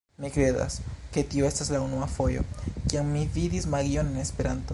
Mi kredas, ke tio estas la unua fojo, kiam mi vidis magion en Esperanto